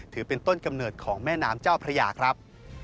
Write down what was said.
ถือเป็นต้นกำเนิดของแม่น้ำเจ้าพระยาครับ